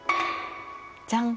じゃん。